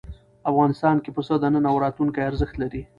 افغانستان کې پسه د نن او راتلونکي ارزښت لري.